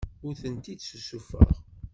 Ur tent-id-ssusufeɣ.